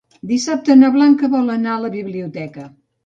Dissabte na Blanca vol anar a la biblioteca.